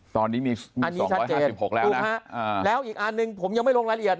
ตอนนี้มี๒๗๖แล้วแล้วอีกอันหนึ่งผมยังไม่ลงรายละเอียด